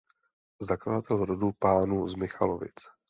Zakladatel rodu pánů z Michalovic.